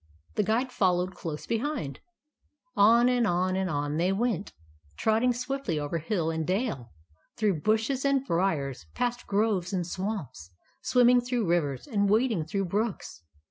The Guide followed close behind him. On and on and on they went, trotting swiftly over hill and dale, through bushes and briars, past groves and swamps, swim ming through rivers, and wading through brooks.